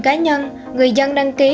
cá nhân người dân đăng ký